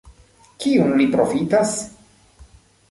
Kiun li profitas?